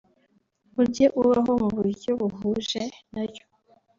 ujye ubaho mu buryo buhuje na yo